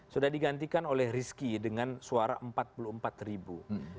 sudah digantikan oleh rizky dengan suara empat puluh empat ribu